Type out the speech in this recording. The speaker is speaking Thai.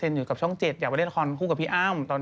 โอลี่คัมรี่ยากที่ใครจะตามทันโอลี่คัมรี่ยากที่ใครจะตามทัน